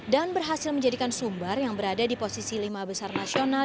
berhasil menjadikan sumbar yang berada di posisi lima besar nasional